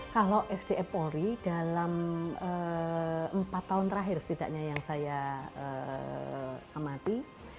kalau sdm polri dalam empat tahun terakhir setidaknya yang saya amati